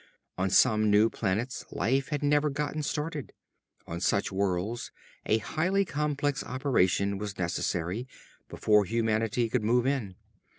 On some new planets life had never gotten started. On such worlds a highly complex operation was necessary before humanity could move in.